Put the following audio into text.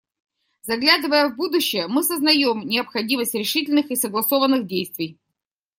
Заглядывая в будущее, мы сознаем необходимость решительных и согласованных действий.